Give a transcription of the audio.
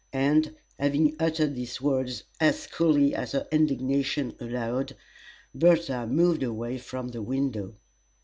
And having uttered these words as coolly as her indignation allowed, Bertha moved away from the window.